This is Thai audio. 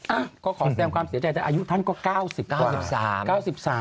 อ่ะก็ขอแสดงความเสียใจแต่อายุท่านก็๙๙๓